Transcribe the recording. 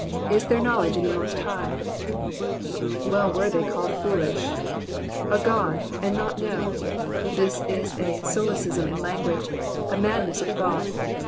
to ask, /» there knowledge in ths most IlighV TVcll were Ibcy called foolish. A God, and not know ! This iu a solecism in language, a madness of thought.